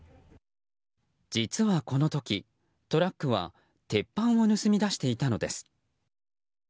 実はこの時、トラックは鉄板を盗み出していたのです。